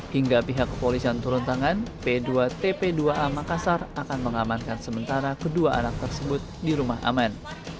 hingga pihak kepolisian turun tangan p dua tp dua a makassar akan mengamankan sementara kedua anak tersebut di rumah aman